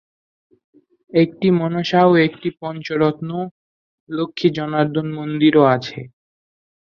একটি মনসা ও একটি "পঞ্চরত্ন" লক্ষ্মী-জনার্দন মন্দিরও আছে।